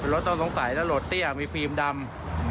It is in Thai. รถต้องสงสัยแล้วโหลดเตี้ยมีฟิล์มดำ